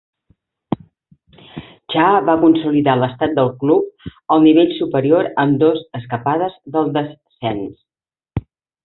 Cha va consolidar l"estat del club al nivell superior amb dos escapades del descens.